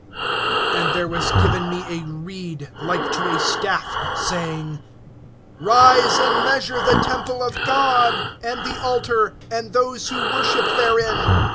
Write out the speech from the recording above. AND there was given me a reed, like to a staff, saying: Rise, and measure the temple of God, and the altar, and those who worship therein.